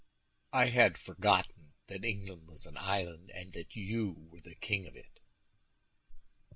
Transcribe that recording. "I had forgotten that England was an island, and that you were the king of it."